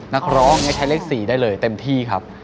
นักร้องให้ใช้เลข๔ได้เลยเต็มที่ครับ